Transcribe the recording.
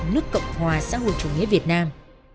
nước cộng hòa xã hội chủ nghĩa việt nam